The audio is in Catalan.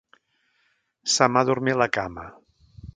Se m'ha adormit la cama.